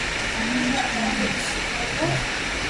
ամեն ինչ կիմանաս…